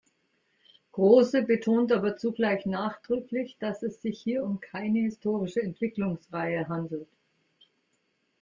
Grosse betont aber zugleich nachdrücklich, dass es sich hier um keine historische Entwicklungsreihe handelt.